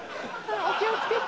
お気を付けて。